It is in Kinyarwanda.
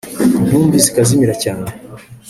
intumbi zikazimira cyane